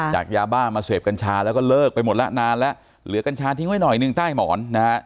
จากยาบ้ามาเสพกัญชาแล้วก็เลิกไปหมดแล้วนานแล้วเหลือกัญชาทิ้งไว้หน่อยหนึ่งใต้หมอนนะฮะ